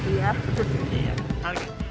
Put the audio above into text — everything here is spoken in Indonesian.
ini buat apa